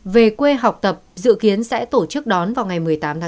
về quê học tập dự kiến sẽ tổ chức đón vào ngày một mươi tám tháng chín